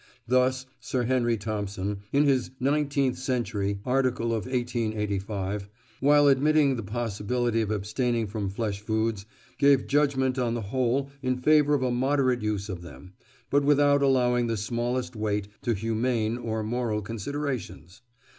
Thus, Sir Henry Thompson, in his Nineteenth Century article of 1885, while admitting the possibility of abstaining from flesh foods, gave judgment on the whole in favour of a moderate use of them—but without allowing the smallest weight to humane or moral considerations.